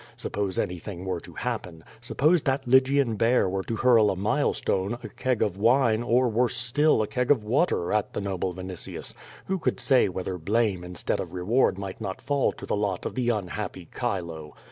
Suppose anything were to happen. Suppose that Lygian bear were to hurl a milestone, a keg of wine, or, worse still, a keg of water, at the noble Vinitius, who could say whether blame instead of reward might not fall to the lot of the unhappy Chilo?